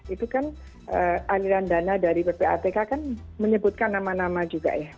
itu kan aliran dana dari ppatk kan menyebutkan nama nama juga ya